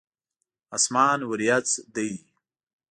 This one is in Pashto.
اسمان وريځ دی.